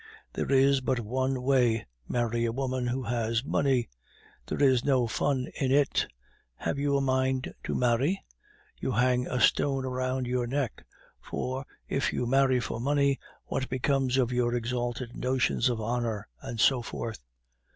There is but one way, marry a woman who has money. There is no fun in it. Have you a mind to marry? You hang a stone around your neck; for if you marry for money, what becomes of our exalted notions of honor and so forth?